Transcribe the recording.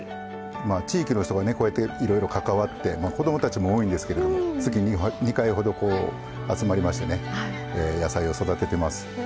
地域の人がいろいろ関わって子供たちも多いんですけども月に２回ほど集まりまして野菜を育ててます。